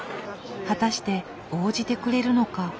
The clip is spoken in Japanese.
果たして応じてくれるのか？